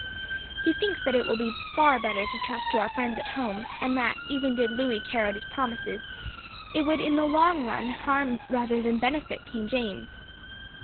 He thinks that it will be far better to trust to our friends at home, and that, even did Louis carry out his promises, it would in the long run harm rather than benefit King James."